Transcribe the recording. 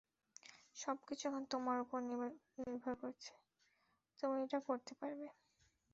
সবকিছু এখন তোমার উপর নির্ভর করছে, তুমি এটা করতে পারবে।